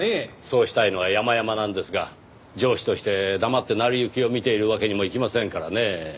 そうしたいのはやまやまなんですが上司として黙って成り行きを見ているわけにもいきませんからねぇ。